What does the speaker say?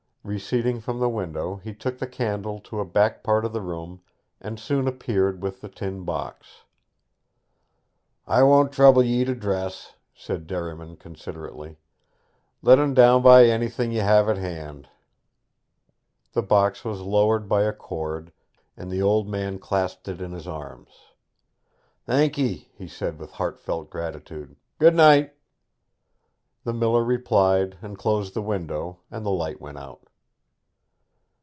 Receding from the window, he took the candle to a back part of the room and soon reappeared with the tin box. 'I won't trouble ye to dress,' said Derriman considerately; 'let en down by anything you have at hand.' The box was lowered by a cord, and the old man clasped it in his arms. 'Thank ye!' he said with heartfelt gratitude. 'Good night!' The miller replied and closed the window, and the light went out.